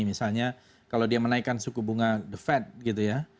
misalnya kalau dia menaikkan suku bunga the fed gitu ya